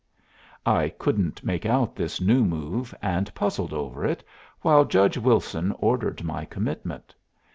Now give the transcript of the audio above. I couldn't make out this new move, and puzzled over it, while Judge Wilson ordered my commitment.